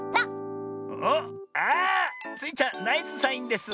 おっあスイちゃんナイスサインです。